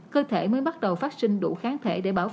cơ thể mới bắt đầu phát sinh đủ kháng thể để bảo vệ